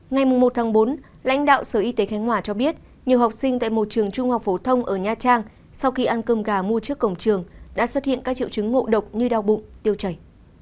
ngày một bốn lãnh đạo sở y tế khánh hòa cho biết nhiều học sinh tại một trường trung học phổ thông ở nha trang sau khi ăn cơm gà mua trước cổng trường đã xuất hiện các triệu chứng ngộ độc như đau bụng tiêu chảy